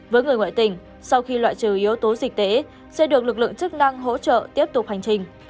với người ngoại tỉnh sau khi loại trừ yếu tố dịch tễ sẽ được lực lượng chức năng hỗ trợ tiếp tục hành trình